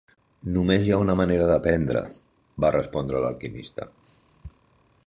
"Només hi ha una manera d'aprendre", va respondre l'alquimista.